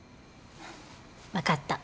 分かった。